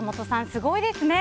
すごいですね。